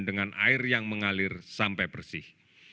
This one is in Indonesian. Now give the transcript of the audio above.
dengan air yang mengalir sampai bersih